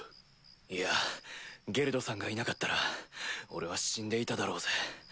いやゲルドさんがいなかったら俺は死んでいただろうぜ。